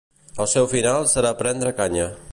El seu final serà prendre canya.